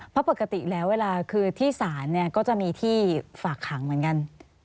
เพราะปกติแล้วเวลาคือที่ศาลเนี่ยก็จะมีที่ฝากขังเหมือนกัน